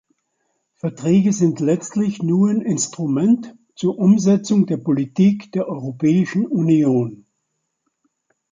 Verträge sind letztlich nur ein Instrument zur Umsetzung der Politik der Europäischen Union.